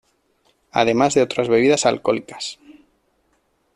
Además de otras bebidas alcohólicas.